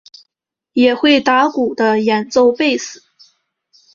也会打鼓和演奏贝斯。